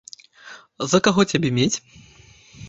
За каго цябе мець?